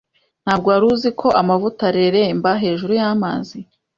Ntabwo wari uzi ko amavuta areremba hejuru y'amazi?